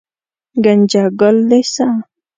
ګنجګل لېسه